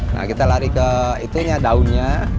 nah kita lari ke itunya daunnya